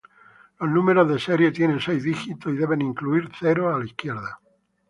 Los números de serie tienen seis dígitos y deben incluir ceros a la izquierda.